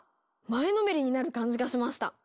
前のめりになる感じがしました！